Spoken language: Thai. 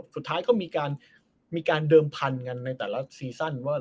สุดท้ายก็มีการเดิมพันธุ์กันในแต่ละซีซั่นว่า